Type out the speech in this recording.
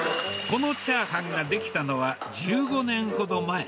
このチャーハンが出来たのは、１５年ほど前。